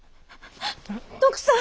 徳さん